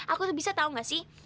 aku tuh bisa tahu nggak sih